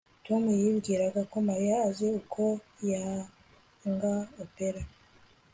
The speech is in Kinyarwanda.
tom yibwiraga ko mariya azi uko yanga opera